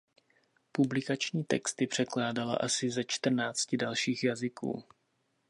Publikační texty překládala asi ze čtrnácti dalších jazyků.